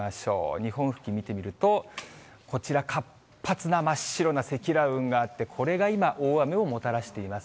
日本付近見てみると、こちら活発な真っ白な積乱雲があって、これが今、大雨をもたらしています。